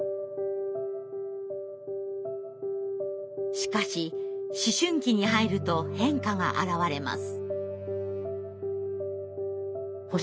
しかし思春期に入ると変化が表れます。